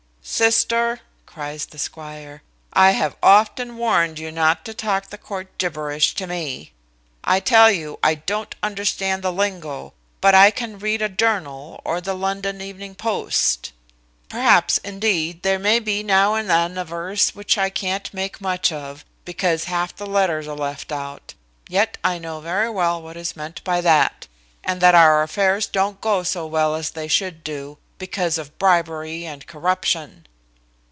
"Sister," cries the squire, "I have often warn'd you not to talk the court gibberish to me. I tell you, I don't understand the lingo: but I can read a journal, or the London Evening Post. Perhaps, indeed, there may be now and tan a verse which I can't make much of, because half the letters are left out; yet I know very well what is meant by that, and that our affairs don't go so well as they should do, because of bribery and corruption."